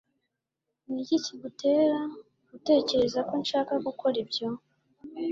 Niki kigutera gutekereza ko nshaka gukora ibyo?